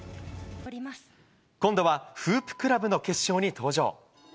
今度はフープ・クラブの決勝に登場。